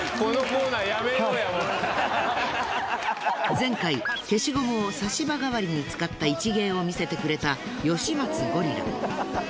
前回消しゴムを差し歯代わりに使った一芸を見せてくれた吉松ゴリラ。